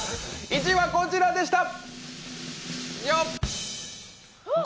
１位はこちらでした。